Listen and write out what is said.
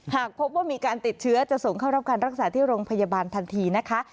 หากพบว่ามีการติดเชื้อจะส่งเข้ารับการรักษาที่โรงพยาบาลทันทีนะคะ